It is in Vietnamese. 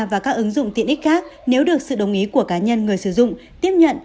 và các ứng dụng tiện ích khác nếu được sự đồng ý của cá nhân người sử dụng tiếp nhận